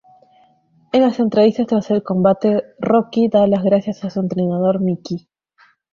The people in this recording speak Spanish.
En la entrevista tras el combate Rocky da las gracias a su entrenador Mickey.